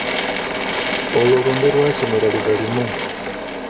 Olwo lumbe lwa Kimera lwe balimu!